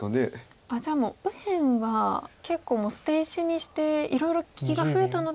じゃあもう右辺は結構捨て石にしていろいろ利きが増えたので。